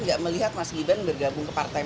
tidak melihat mas gibran bergabung ke partaian